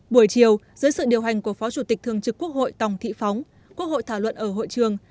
buổi chiều dưới sự điều hành của phó chủ tịch thường trực quốc hội tòng thị phóng quốc hội thảo luận ở hội trường